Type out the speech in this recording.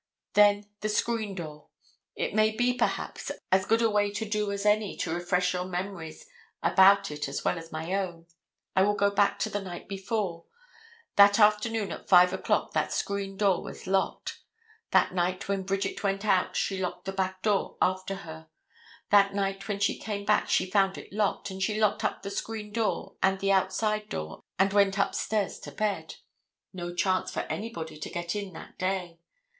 Then the screen door. It may be, perhaps, as good a way to do as any to refresh your memories about it as well as my own. I will go back to the night before. That afternoon at 5 o'clock that screen door was locked. That night when Bridget went out she locked the back door after her. That night when she came back she found it locked, and she locked up the screen door and the outside door and went upstairs to bed. No chance for anybody to get in that day.